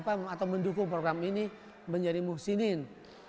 atau mendukung program ini menjadi muhsinin